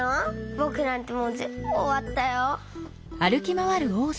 ぼくなんてもうぜんぶおわったよ。